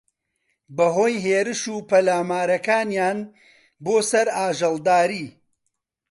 بەھۆی ھێرش و پەلامارەکانیان بۆسەر ئاژەڵداری